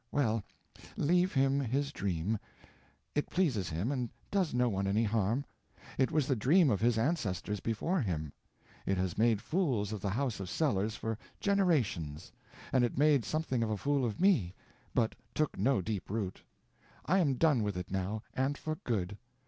Well, leave him his dream, it pleases him and does no one any harm: It was the dream of his ancestors before him. It has made fools of the house of Sellers for generations, and it made something of a fool of me, but took no deep root. I am done with it now, and for good.